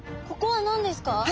ここは何ですか？